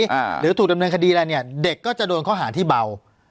หรือถูกดำเนินคดีอะไรเนี่ยเด็กก็จะโดนข้อหาที่เบา